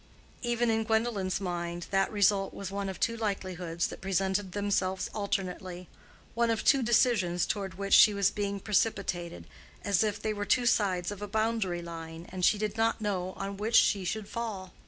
Even in Gwendolen's mind that result was one of two likelihoods that presented themselves alternately, one of two decisions toward which she was being precipitated, as if they were two sides of a boundary line, and she did not know on which she should fall.